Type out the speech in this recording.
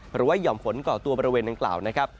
หรือว่าหย่อมฝนก่อตัวบริเวณต่างนะครับ